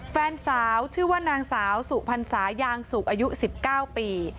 แฟนสาวชื่อว่านางสาวสุพรรษายางสุกอายุ๑๙ปี